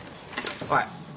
おい！